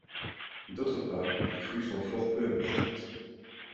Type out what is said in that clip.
D'autre part les crues sont fort peu importantes.